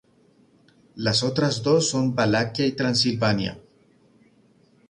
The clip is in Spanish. Las otras dos son Valaquia y Transilvania.